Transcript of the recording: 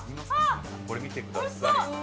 これ見てください。